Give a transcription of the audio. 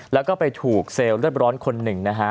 และก็ไปถูกเซลร์เลือดร้อนคนหนึ่ง